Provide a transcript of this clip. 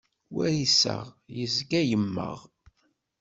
War iseɣ, yezga yemmeɣ.